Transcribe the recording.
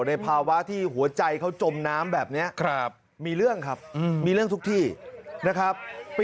ในภาวะที่หัวใจเขาจมน้ำแบบนี้มีเรื่องครับมีเรื่องทุกที่นะครับ